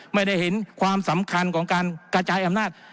ไม่ได้เห็นความสำคัญของการกระจายอำนาจ